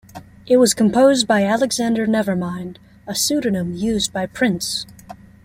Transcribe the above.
It was composed by Alexander Nevermind, a pseudonym used by Prince.